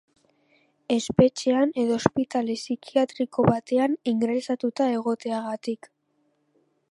Espetxean edo ospitale psikiatriko batean ingresatuta egoteagatik.